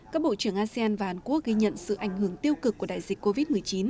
các bộ trưởng asean và hàn quốc ghi nhận sự ảnh hưởng tiêu cực của đại dịch covid một mươi chín